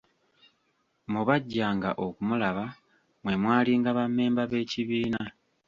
Mu bajjanga okumulaba, mwe mwalinga ba mmemba b'ekibiina.